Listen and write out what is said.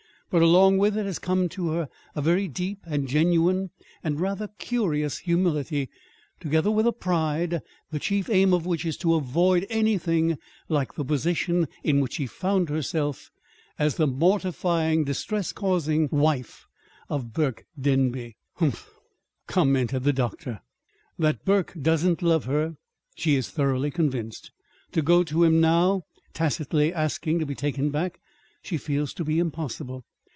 But along with it all has come to her a very deep and genuine, and rather curious, humility, together with a pride, the chief aim of which is to avoid anything like the position in which she found herself as the mortifying, distress causing wife of Burke Denby." "Humph!" commented the doctor. "That Burke doesn't love her, she is thoroughly convinced. To go to him now, tacitly asking to be taken back, she feels to be impossible.